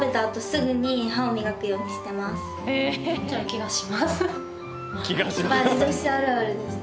気がします。